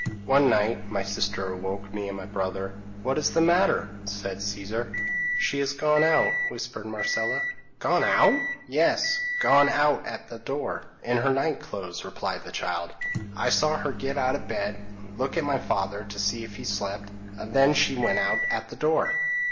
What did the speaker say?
p> "One night, my sister awoke me and my brother. "'What is the matter?' said Caesar. "'She has gone out,' whispered Marcella. "'Gone out!' "'Yes, gone out at the door, in her night clothes,' replied the child; 'I saw her get out of bed, look at my father to see if he slept, and then she went out at the door.'